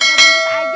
iya bentar ya